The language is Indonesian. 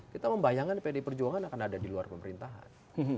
kita membayangkan pdi perjuangan akan ada di luar pemerintahan